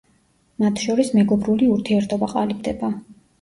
მათ შორის მეგობრული ურთიერთობა ყალიბდება.